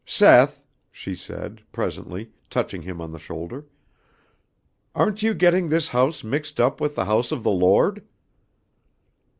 "Seth," she said, presently, touching him on the shoulder, "aren't you getting this house mixed up with the House of the Lord?"